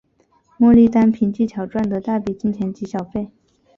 莫莉单凭技巧赚得大笔金钱及小费。